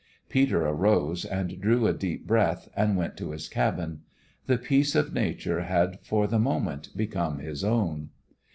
Peter arose, and drew a deep breath, and went to his cabin. The peace of nature had for the moment become his own.